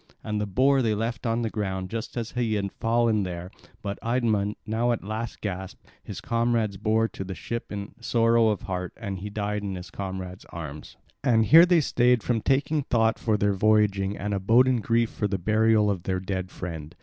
And the boar they left on the ground just as he had fallen there; but Idmon, now at the last gasp, his comrades bore to the ship in sorrow of heart, and he died in his comrades' arms. And here they stayed from taking thought for their voyaging and abode in grief for the burial of their dead friend.